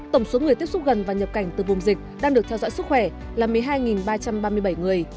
tổng số người tiếp xúc gần và nhập cảnh từ vùng dịch đang được theo dõi sức khỏe là một mươi hai ba trăm ba mươi bảy người